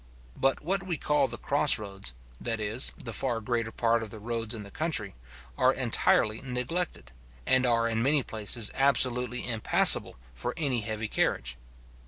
But what we call the cross roads, that is, the far greater part of the roads in the country, are entirely neglected, and are in many places absolutely impassable for any heavy carriage.